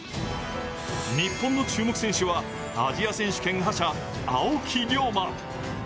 日本の注目選手はアジア選手権覇者、青木涼真。